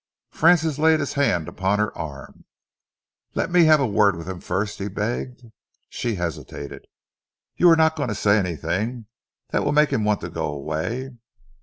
Francis laid his hand upon her arm. "Let me have a word with him first," he begged. She hesitated. "You are not going to say anything that will make him want to go away?"